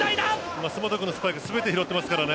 舛本君のスパイク全て拾っていますからね。